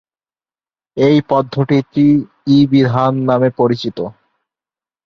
এই পদ্ধতিটি "ই-বিধান" নামে পরিচিত।